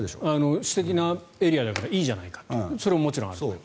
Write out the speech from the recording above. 私的なエリアだからいいじゃないかってそれももちろんあると思います。